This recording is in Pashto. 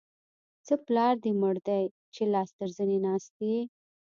څه پلار دې مړ دی؛ چې لاس تر زنې ناست يې.